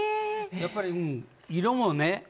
やっぱりうん色もね